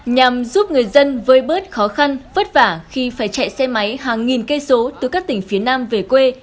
nhằm giúp người dân vơi bớt khó khăn vất vả khi phải chạy xe máy hàng nghìn cây số từ các tỉnh phía nam về quê